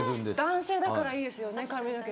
男性だからいいですよね髪の毛。